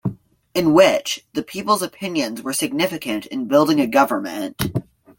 In which, the people's opinions were significant in building a government.